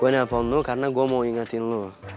gua nelfon lu karena gua mau ingatin lu